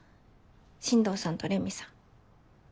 進藤さんとレミさん。